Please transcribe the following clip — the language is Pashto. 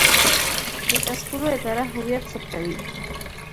د تذکرو اداره هویت ثبتوي